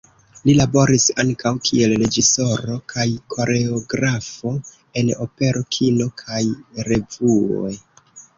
Li laboris ankaŭ kiel reĝisoro kaj koreografo en opero, kino kaj "revue".